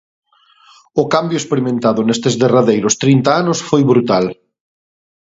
O cambio experimentado nestes derradeiros trinta anos foi brutal.